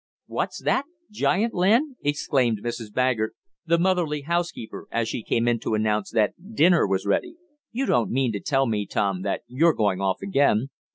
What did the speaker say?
"What's that? Giant land?" exclaimed Mrs. Baggert, the motherly housekeeper, as she came in to announce that dinner was ready. "You don't mean to tell me, Tom, that you're going off again?"